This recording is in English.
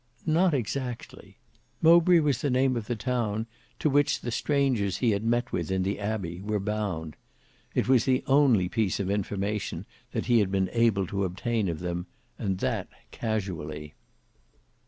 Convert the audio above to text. Not exactly. Mowbray was the name of the town to which the strangers he had met with in the Abbey were bound. It was the only piece of information that he had been able to obtain of them; and that casually.